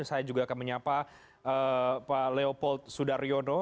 saya juga akan menyapa pak leopold sudaryono